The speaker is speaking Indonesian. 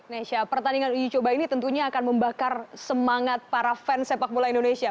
nesha pertandingan uji coba ini tentunya akan membakar semangat para fans sepak bola indonesia